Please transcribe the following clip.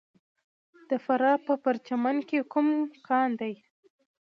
د فراه په پرچمن کې کوم کان دی؟